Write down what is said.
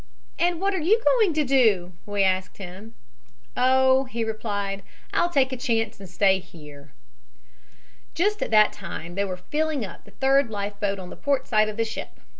"'And what are you going to do?' we asked him. "'Oh,' he replied, 'I'll take a chance and stay here.' "Just at that time they were filling up the third life boat on the port side of the ship.